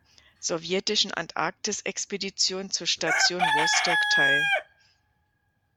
Sowjetischen Antarktisexpedition zur Station "Wostok" teil.